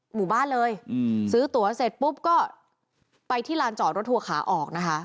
หมู่บ้านเลยอืมซื้อตัวเสร็จปุ๊บก็ไปที่ลานจอดรถทัวร์ขาออกนะคะ